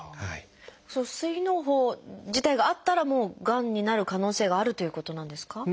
その膵のう胞自体があったらもうがんになる可能性があるということなんですか？